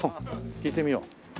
聞いてみよう。